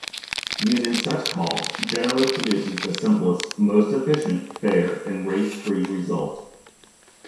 Using such calls generally produces the simplest, most efficient, fair, and race-free result.